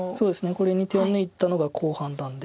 これに手を抜いたのが好判断で。